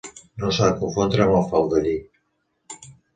No s'ha de confondre amb el faldellí.